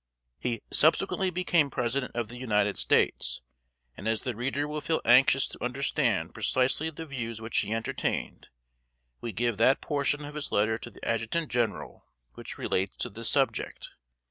He subsequently became President of the United States; and as the reader will feel anxious to understand precisely the views which he entertained, we give that portion of his letter to the Adjutant General which relates to this subject.